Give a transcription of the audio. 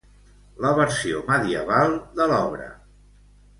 La versió medieval de l'obra.